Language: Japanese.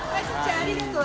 ありがとうは？